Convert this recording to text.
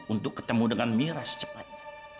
untuk ketemu dengan miras secepatnya